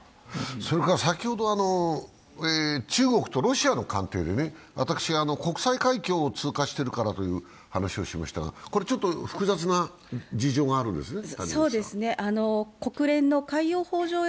先ほど、中国とロシアの関係で私が国際海峡を通過してるという話をしましたが、これ、ちょっと複雑な事情があるんですね？